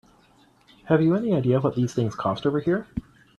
Have you any idea what these things cost over here?